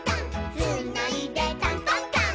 「つーないでタントンタン」